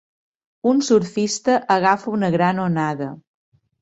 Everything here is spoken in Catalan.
Un surfista agafa una gran onada.